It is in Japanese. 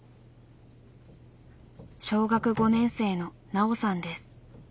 小学５年生のナオさんです。